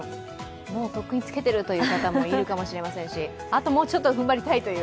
もうとっくにつけている方もいるかもしれませんし、もうちょっと踏ん張りたいという。